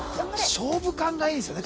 勝負勘がいいんですよね